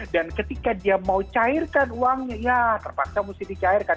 dan ketika dia mau cairkan uangnya ya terpaksa mesti dicairkan